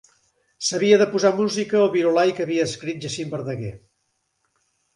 S'havia de posar música al Virolai que havia escrit Jacint Verdaguer.